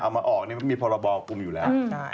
เอามาออกมันมีพรบอกคุมอยู่แล้ว